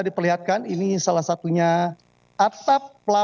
diperlihatkan ini salah satunya atap